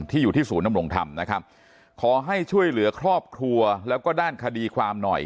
อยู่ที่ศูนย์นำรงธรรมนะครับขอให้ช่วยเหลือครอบครัวแล้วก็ด้านคดีความหน่อย